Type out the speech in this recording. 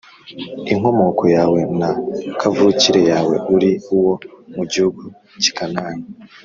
Inkomoko yawe na kavukire yawe, uri uwo mu gihugu cy’i Kanāni